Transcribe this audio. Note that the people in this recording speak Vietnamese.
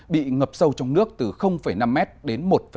bị ngập sâu trong nước từ năm m đến một m